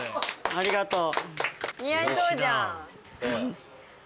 ありがとう。